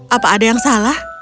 apa ada yang salah